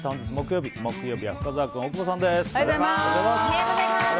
本日木曜日、木曜日は深澤君、大久保さんです。